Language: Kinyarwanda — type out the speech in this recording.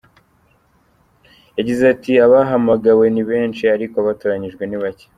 Yagize ati “Abahamagawe ni benshi ariko abatoranyijwe ni bacye.